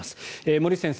森内先生